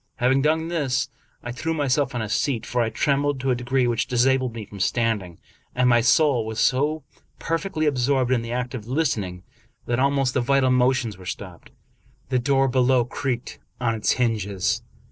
Having done this, I threw myself on a seat; for I trembled to a degree which disabled me from stand ing, and my soul was so perfectly absorbed in the act of listening, that almost the vital motions were stopped. The door below creaked on its hinges.